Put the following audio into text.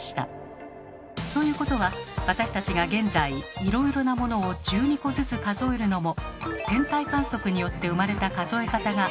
ということは私たちが現在いろいろなものを１２個ずつ数えるのも天体観測によって生まれた数え方がもとになっているのでしょうか？